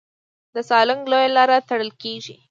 د سالنګ لویه لاره تړل کېږي.